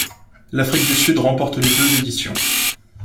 L'Afrique du Sud remporte les deux éditions.